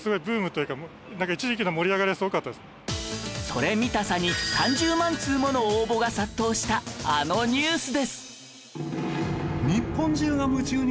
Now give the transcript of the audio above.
それ見たさに３０万通もの応募が殺到したあのニュースです